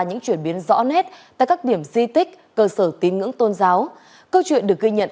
những chuyển biến rõ nét tại các điểm di tích cơ sở tín ngưỡng tôn giáo câu chuyện được ghi nhận